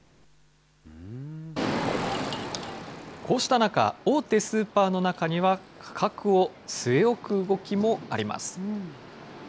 こうした中、大手スーパーの中には、価格を据え置く動きもあります。